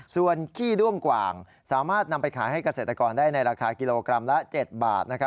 ส่วนขี้ด้วงกว่างสามารถนำไปขายให้เกษตรกรได้ในราคากิโลกรัมละ๗บาท